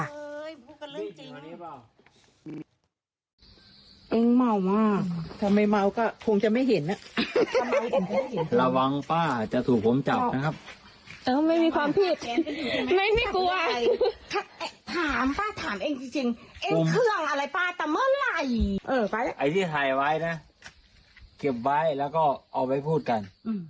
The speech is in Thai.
เก็บไบแล้วก็เอาไว้พูดกัน